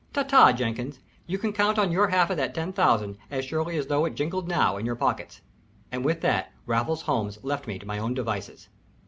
Ta ta, Jenkins you can count on your half of that ten thousand as surely as though it is jingled now in your pockets." And with that Raffles Holmes left me to my own devices.